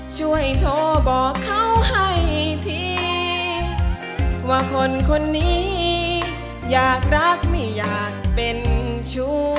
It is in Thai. ช่วยโทรบอกเขาให้ทีว่าคนคนนี้อยากรักไม่อยากเป็นชู้